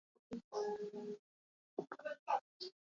Tikmēr daudzi cilvēki pamatoti dusmosies.